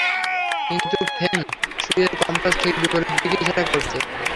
কিন্তু, ফেং শুইয়ের কম্পাস ঠিক বিপরীত দিকে ইশারা করছে!